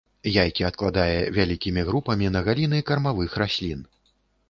Яйкі адкладае вялікімі групамі на галіны кармавых раслін.